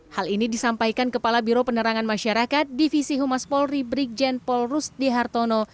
hal ini disampaikan kepala biro penerangan masyarakat divisi humas polri brigjen polrus dihartono